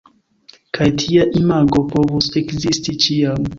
Kaj tia imago povus ekzisti ĉiam.